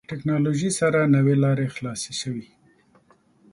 ټکنالوژي سره نوې لارې خلاصې شوې.